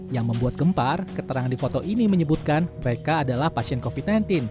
yang membuat gempar keterangan di foto ini menyebutkan mereka adalah pasien covid sembilan belas